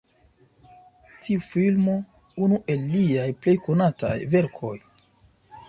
Tiu filmo unu el liaj plej konataj verkoj.